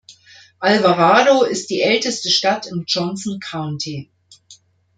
Alvarado ist die älteste Stadt im Johnson County.